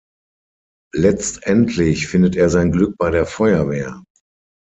Letztendlich findet er sein Glück bei der Feuerwehr.